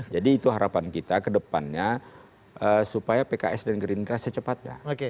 jadi itu harapan kita kedepannya supaya pks dan gerindra secepatnya